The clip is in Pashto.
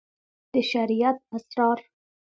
د شريعت اسرار